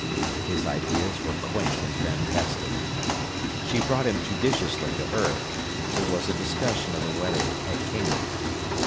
His ideas were quaint and fantastic. She brought him judiciously to earth. It was a discussion of the wedding at Cana.